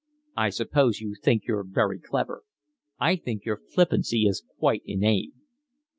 "I suppose you think you're very clever. I think your flippancy is quite inane."